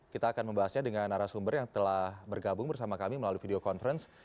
kita akan membahasnya dengan arah sumber yang telah bergabung bersama kami melalui video conference